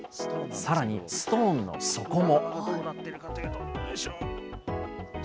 さらに、ストーンの底も。